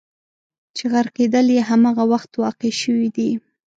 چې غرقېدل یې همغه وخت واقع شوي دي.